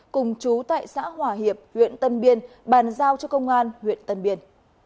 cùng chú tại xã hòa hiệp huyện tân biên bàn giao cho công an huyện tân biên